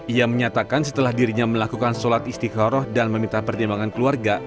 ia menyatakan setelah dirinya melakukan sholat istiqoroh dan meminta pertimbangan keluarga